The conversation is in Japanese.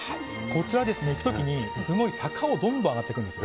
こちら、行く時にすごい坂をどんどん上がるんです。